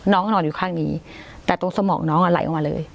น้องนอนอยู่ข้างนี้แต่ตรงสมองน้องอ่ะไหลออกมาเลย